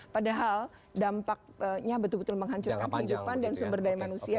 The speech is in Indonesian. padahal dampaknya betul betul menghancurkan kehidupan dan sumber daya manusia